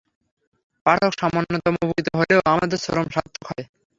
পাঠক সামান্যতম উপকৃত হলেও আমাদের শ্রম সার্থক হবে।